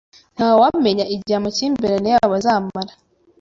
Ntawamenya igihe amakimbirane yabo azamara